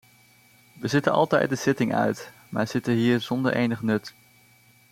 We zitten altijd de zitting uit, maar zitten hier zonder enig nut.